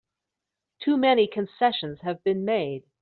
Too many concessions have been made!